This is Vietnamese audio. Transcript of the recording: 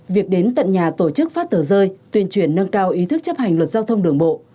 việc đến tận nhà tổ chức phát tờ rơi tuyên truyền nâng cao ý thức chấp hành luật giao thông đường bộ